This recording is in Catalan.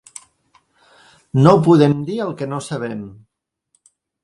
No podem dir el que no sabem.